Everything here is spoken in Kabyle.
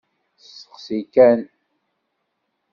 Steqsi kan!